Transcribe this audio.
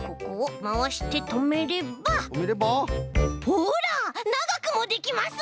ほらながくもできます！